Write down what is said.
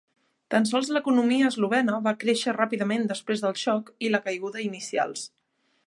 Tan sols l'economia eslovena va créixer ràpidament després del xoc i la caiguda inicials.